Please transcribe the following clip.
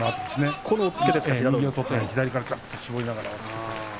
左から絞りながら。